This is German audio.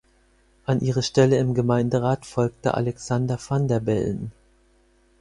An ihre Stelle im Gemeinderat folgte Alexander Van der Bellen.